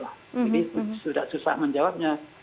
jadi sudah susah menjawabnya